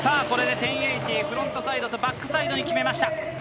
これで１０８０をフロントサイド、バックサイドに決めました。